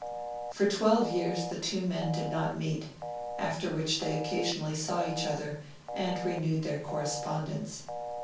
For twelve years the two men did not meet, after which they occasionally saw each other and renewed their correspondence.